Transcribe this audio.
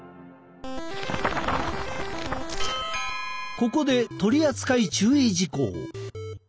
ここで取り扱い注意事項！